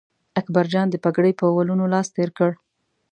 اکبرجان د پګړۍ په ولونو لاس تېر کړ.